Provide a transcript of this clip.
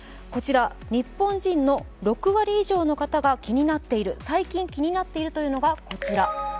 こちら日本人の６割以上の最近気になっているというのがこちら。